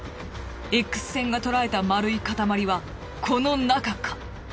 Ｘ線が捉えた丸い塊はこの中か？